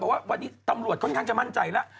ว่าวันนี้ตำรวจค่อนข้างจะมั่นใจแล้ว